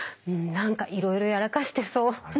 何かいろいろやらかしてそう。